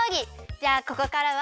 じゃあここからは。